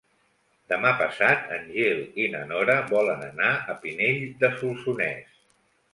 Demà passat en Gil i na Nora volen anar a Pinell de Solsonès.